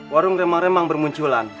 warung remang remang bermunculan